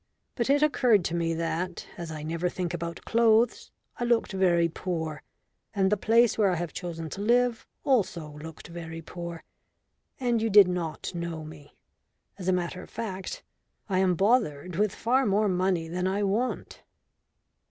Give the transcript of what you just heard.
"But it occurred to me that, as I never think about clothes, I looked very poor, and that the place where I have chosen to live also looked very poor. And you did not know me. As a matter of fact, I am bothered with far more money than I want."